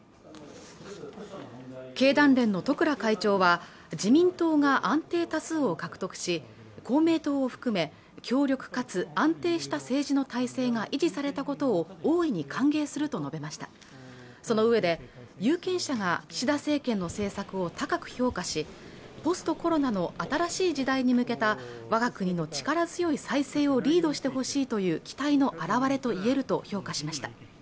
経団連の十倉会長は自民党が安定多数を獲得し公明党を含め強力かつ安定した政治の体制が維持されたことを大いに歓迎すると述べましたそのうえで有権者がしら政権の政策を高く評価しポストコロナなど新しい時代に向けたわが国の力強い再生をリードしてほしいという期待の表れと言えると評価しました